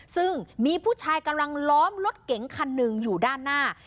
ซึ่งมีผู้ชายกำลังล้อมรถเก๋งคันหนึ่งอยู่ด้านหน้า